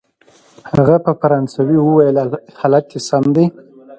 هغه په فرانسوي وویل: حالت دی سم دی؟